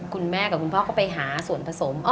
คุณพ่อกับคุณพ่อก็ไปหาส่วนผสม